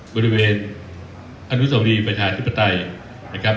บริเวณอนุศลีมภาษาธิปไตย